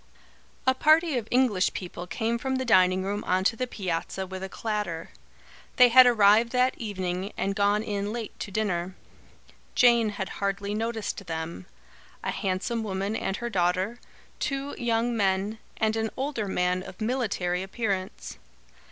A party of English people came from the dining room on to the piazza with a clatter. They had arrived that evening and gone in late to dinner. Jane had hardly noticed them, a handsome woman and her daughter, two young men, and an older man of military appearance.